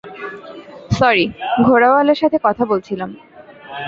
Sorry, ঘোড়া-ওয়ালার সাথে কথা বলছিলাম।